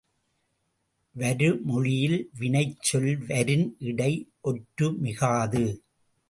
வருமொழியில் வினைச் சொல் வரின் இடையே ஒற்று மிகாது.